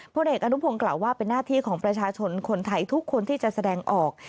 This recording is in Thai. เด็กอนุพงศ์กล่าวว่าเป็นหน้าที่ของประชาชนคนไทยทุกคนที่จะแสดงออก